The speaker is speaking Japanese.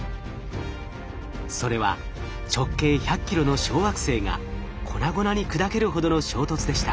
それは直径１００キロの小惑星が粉々に砕けるほどの衝突でした。